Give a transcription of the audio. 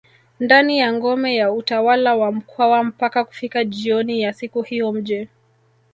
ndani ya ngome ya utawala wa mkwawa mpaka kufika jioni ya siku hiyo mji